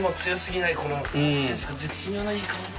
絶妙ないい香り。